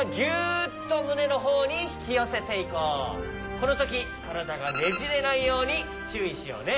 このときからだがねじれないようにちゅういしようね。